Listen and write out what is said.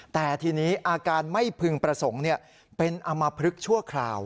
แต่ทีนี้อาการไม่พึงประสงค์เป็นอมพลึกชั่วคราว